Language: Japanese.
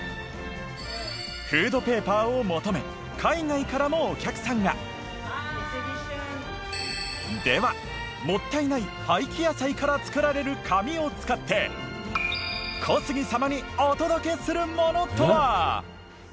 フードペーパーを求めではもったいない廃棄野菜から作られる紙を使って小杉様にお届けするものとは？